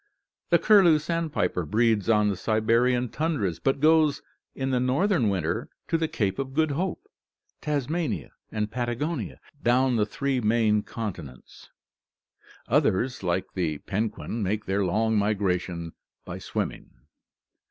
The curlew sandpiper breeds on the Siberian tundras, but goes in the northern winter to the Cape of Good Hope, Tasmania, and Patagonia down the three main continental axes (see map, Fig. 246). Others, like the penguins, make their long migrations by swimming.